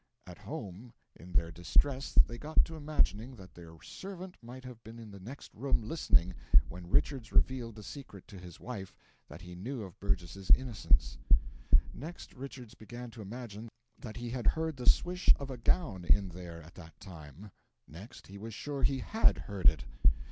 At home, in their distress they got to imagining that their servant might have been in the next room listening when Richards revealed the secret to his wife that he knew of Burgess's innocence; next Richards began to imagine that he had heard the swish of a gown in there at that time; next, he was sure he HAD heard it.